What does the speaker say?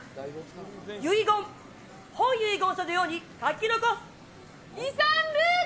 遺言、本遺言書のように書き残す。